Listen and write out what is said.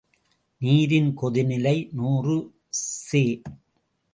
நீரின் கொதிநிலை நூறு செ.